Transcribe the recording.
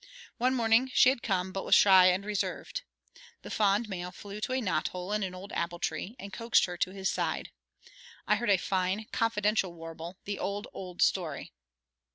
One morning she had come, but was shy and reserved. The fond male flew to a knot hole in an old apple tree, and coaxed her to his side. I heard a fine confidential warble, the old, old story.